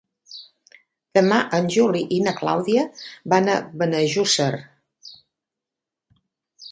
Demà en Juli i na Clàudia van a Benejússer.